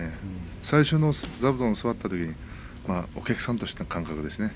最初、座布団に座ったときにはお客さんとしての感覚ですね。